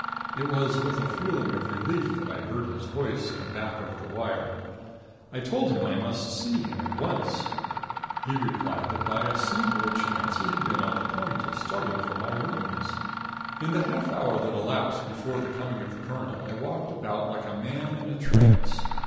It was with a feeling of relief that I heard his voice come back over the wire. I told him I must see him at once. He replied that by a singular chance he had been on the point of starting for my rooms. In the half hour that elapsed before the coming of the colonel I walked about like a man in a trance.